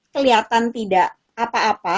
kelihatan tidak apa apa